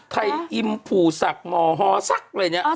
ไข้อิมผูสักหมอฮอซักอะไรอย่างนี้